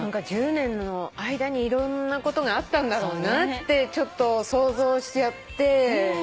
１０年の間にいろんなことがあったんだろうなってちょっと想像しちゃって。